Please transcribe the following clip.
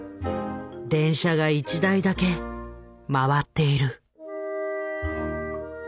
電車が１台だけ回っている。